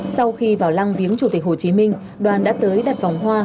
sau khi vào lăng viếng chủ tịch hồ chí minh đoàn đã tới đặt vòng hoa